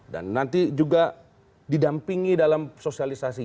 dan nanti juga didampingi dalam sosialisasi